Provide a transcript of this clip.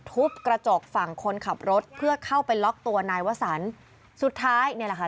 ทุบกระจกฝั่งคนขับรถเพื่อเข้าไปล็อกตัวนายวสันสุดท้ายเนี่ยแหละค่ะ